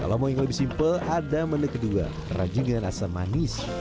kalau mau yang lebih simpel ada menu kedua rajingan asam manis